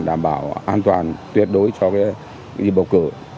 đảm bảo an toàn tuyệt đối cho bầu cử